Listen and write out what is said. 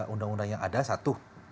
undang undang yang ada satu